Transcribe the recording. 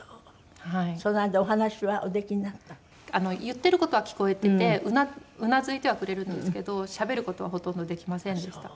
言ってる事は聞こえててうなずいてはくれるんですけどしゃべる事はほとんどできませんでした。